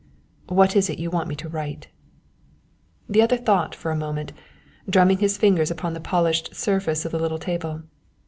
"What is it you want me to write?" The other thought for a moment, drumming his fingers upon the polished surface of the little table.